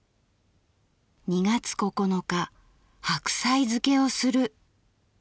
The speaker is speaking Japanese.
２月９日白菜漬けをする」。